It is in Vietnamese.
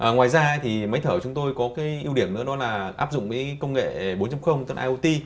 ngoài ra thì máy thở của chúng tôi có cái ưu điểm nữa đó là áp dụng công nghệ bốn tên iot